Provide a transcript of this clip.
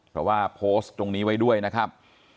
เพราะว่าโพสต์ตรงนี้ไว้ด้วยนะครับ